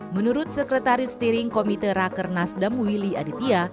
menurut sekretaris steering komite raker nasdem willy aditya